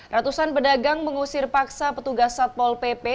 ratusan pedagang mengusir paksa petugas satpol pp